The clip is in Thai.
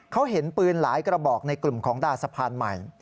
เขาเห็นปืนหลายกระบอกในกลุ่มของดาสะพานใหม่